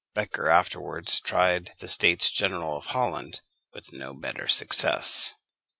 Becher afterwards tried the States General of Holland with no better success.